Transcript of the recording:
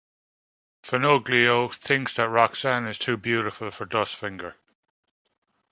Fenoglio thinks that Roxanne is 'too beautiful' for Dustfinger.